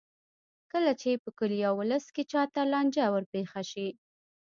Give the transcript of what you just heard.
کله چې په کلي یا ولس کې چا ته لانجه ورپېښه شي.